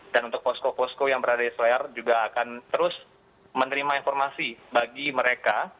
dan untuk posko posko yang berada di selayar juga akan terus menerima informasi bagi mereka